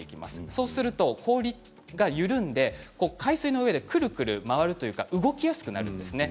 そうすると、氷が緩んで海水の上で、くるくる回るというか動きやすくなるんですね。